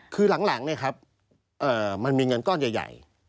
คือหลังมันมีเงินก้อนใหญ่